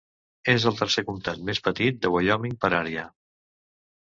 És el tercer comtat més petit de Wyoming per àrea.